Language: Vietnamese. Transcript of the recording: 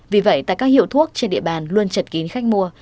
vì vậy tại các hiệu thuốc trên địa bàn luôn chật kín khách mua